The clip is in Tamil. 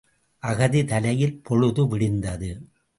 அகதி தலையில் பொழுது விடிந்தது.